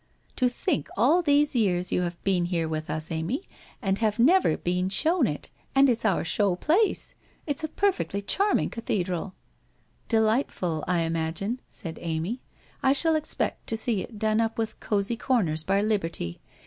To think all these years you have been here with us, Amy, you have never been shown it and it's our show place ! It's a perfectly charming cathedral '' Delightful, I imagine,' said Amy, ' I shall expect to see it done up with cosy corners by Liberty.